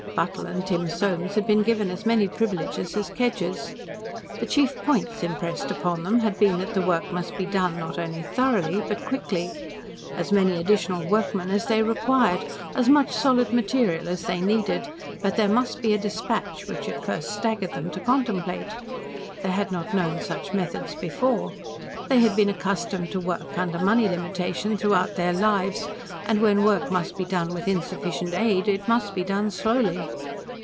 Buttle and Tim Soames had been given as many privileges as Kedgers. The chief points impressed upon them had been that the work must be done, not only thoroughly, but quickly. As many additional workmen as they required, as much solid material as they needed, but there must be a despatch which at first it staggered them to contemplate. They had not known such methods before. They had been accustomed to work under money limitation throughout their lives, and, when work must be done with insufficient aid, it must be done slowly.